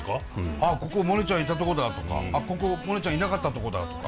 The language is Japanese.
ああここモネちゃんいたとこだとかここモネちゃんいなかったとこだとか。